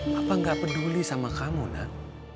papa gak peduli sama kamu nak